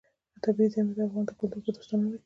طبیعي زیرمې د افغان کلتور په داستانونو کې راځي.